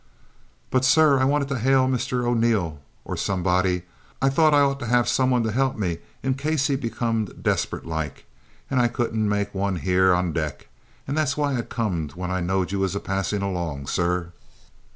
"But, sir, I wanted to hail Mr O'Neil or somebody; I thought I oughter 'ave summun by to 'elp me, in case he becomed desperate like, and I couldn't make no one hear on deck, and that's why I comed when I knowed you was a passing along, sir."